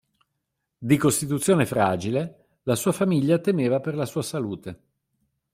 Di costituzione fragile, la sua famiglia temeva per la sua salute.